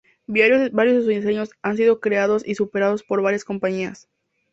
Varios de sus diseños han sido creados y superados por varias compañías.